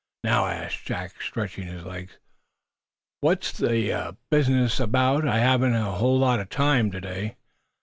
"Now," asked Jack, stretching his legs, "what's the business about? I haven't a whole lot of time to day."